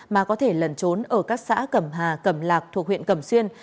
mà có thể lẩn trốn ở các xã cẩm hà cẩm lạc thuộc huyện cẩm xuyên